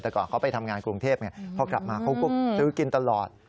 แต่ก่อนเขาไปทำงานกรุงเทพไงพอกลับมาเขาก็ซื้อกินตลอด